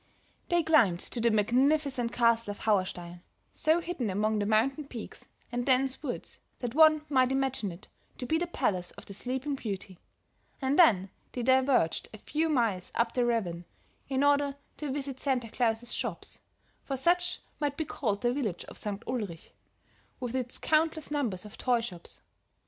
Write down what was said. They climbed to the magnificent Castle of Hauerstein, so hidden among the mountain peaks and dense woods that one might imagine it to be the palace of the Sleeping Beauty; and then they diverged a few miles up the ravine in order to visit Santa Claus' shops, for such might be called the village of St. Ulrich with its countless numbers of toy shops.